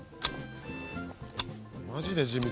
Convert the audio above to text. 「マジで地道」